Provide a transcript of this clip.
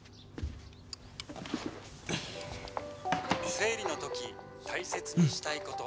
「生理の時大切にしたいこと。